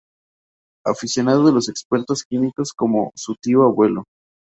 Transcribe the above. Aficionado de los experimentos químicos como su tío abuelo.